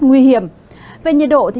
nguy hiểm về nhiệt độ thì